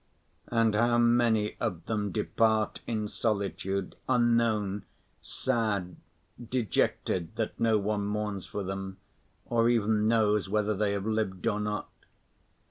And how many of them depart in solitude, unknown, sad, dejected that no one mourns for them or even knows whether they have lived or not!